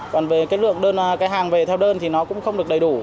còn về cái lượng cái hàng về theo đơn thì nó cũng không được đầy đủ